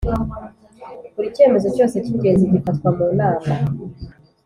Buri cyemezo cyose cy’ ingenzi gifatwa mu nama